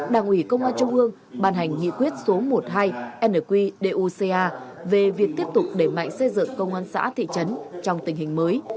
đảng ủy công an trung ương ban hành nghị quyết số một mươi hai nqduca về việc tiếp tục đẩy mạnh xây dựng công an xã thị trấn trong tình hình mới